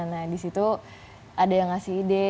nah di situ ada yang ngasih ide